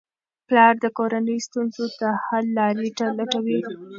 پلار د کورنۍ ستونزو ته حل لارې لټوي.